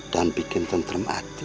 dan bikin tenteram hati